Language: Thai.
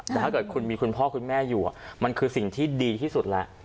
แต่ถ้าเกิดคุณมีคุณพ่อคุณแม่อยู่มันคือสิ่งที่ดีที่สุดแล้ว